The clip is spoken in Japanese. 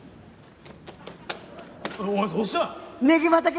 おいどうした！？